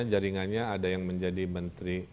jaringannya ada yang menjadi menteri